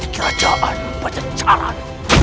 kerajaan pada caran